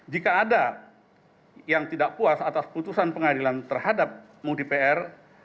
jika ada yang tidak puas atas putusan pengadilan terhadap mudi pr